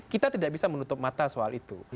kita tidak bisa menutup mata soal itu